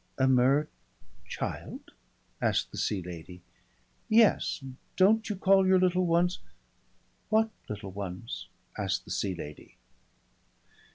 "A mer child?" asked the Sea Lady. "Yes Don't you call your little ones ?" "What little ones?" asked the Sea Lady.